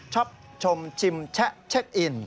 ชอบชมชิมแชะเช็คอิน